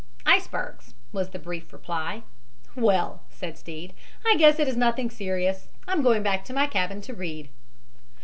"Icebergs," was the brief reply. "Well," said Stead, "I guess it is nothing serious. I'm going back to my cabin to read."